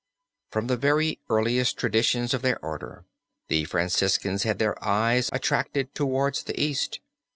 From the very earliest traditions of their order the Franciscans had their eyes attracted towards the East.